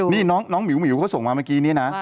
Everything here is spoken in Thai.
นี่น้องหมิวเขาส่งมาเมื่อกี้นี้นะ